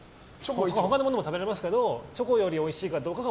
他のものも食べられますけどチョコよりおいしいかどうかで。